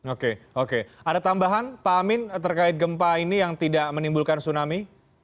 oke oke ada tambahan pak amin terkait gempa ini yang tidak menimbulkan tsunami